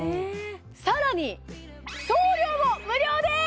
さらに送料も無料です！